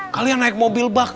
kalian naik mobil bak